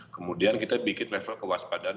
kemudian kita bikin level kewaspadaan